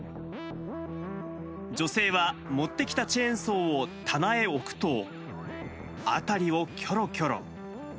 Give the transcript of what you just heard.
女性は持ってきたチェーンソーを棚へ置くと、辺りをきょろきょろ。